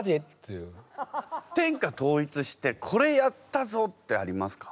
天下統一してこれやったぞってありますか？